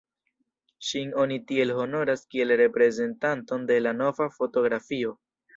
Ŝin oni tiel honoras kiel reprezentanton de la "Nova fotografio".